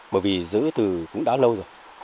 bởi vì giữ từ cũng đã lâu rồi